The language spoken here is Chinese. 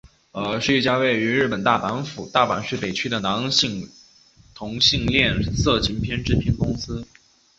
是一家位于日本大阪府大阪市北区的男同性恋色情片制片公司。